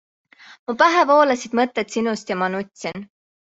Mu pähe voolasid mõtted sinust ja ma nutsin.